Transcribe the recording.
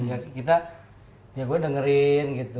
ya gue dengerin gitu